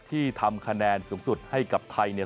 ที่ทำคะแนนสูงสุดให้กับไทยเนี่ย